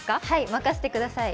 任せてください。